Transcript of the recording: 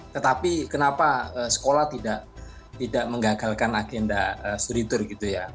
tetapi kenapa sekolah tidak menggagalkan agenda sture gitu ya